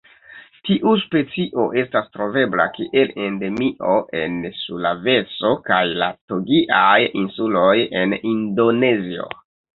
Tiu specio estas trovebla kiel endemio en Sulaveso kaj la Togiaj Insuloj en Indonezio.